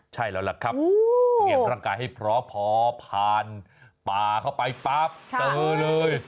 ใช่แล้วล่ะครับเตรียมร่างกายให้เพราะพอผ่านป่าเข้าไปปั๊บเจอเลย